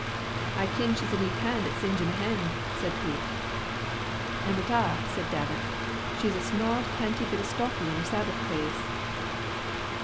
"I kin she's a neat han' at singein' a hen," said Pete. "An' wi't a'," said Davit, "she's a snod, canty bit stocky in her Sabbath claes."